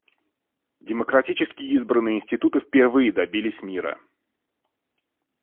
Демократически избранные институты впервые добились мира.